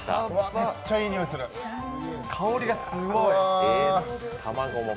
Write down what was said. めっちゃいいにおいする香りがすごい。